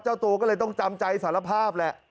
เจ้าตัวก็เลยต้องจำใจสารภาพแหละ